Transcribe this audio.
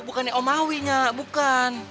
bukan omawi mbak bukan